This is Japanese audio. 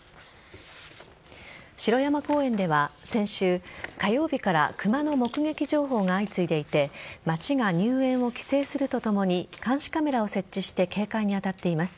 城山公園では先週火曜日からクマの目撃情報が相次いでいて町が入園を規制するとともに監視カメラを設置して警戒に当たっています。